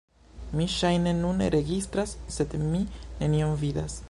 Mi ŝajne nun registras sed mi nenion vidas